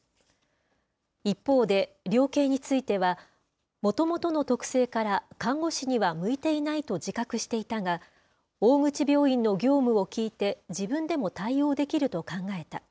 一方で量刑については、もともとの特性から看護師には向いていないと自覚していたが、大口病院の業務を聞いて自分でも対応できると考えた。